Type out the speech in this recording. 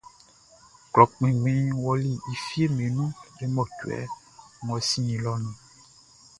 Klɔ kpɛnngbɛnʼn ɔli e fieʼm be nun le mɔcuɛ ngʼɔ sinnin lɛʼn nun.